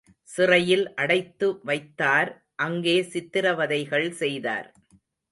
சிறையில் அடைத்துவைத்தார் அங்கே சித்ரவதைகள் செய்தார்.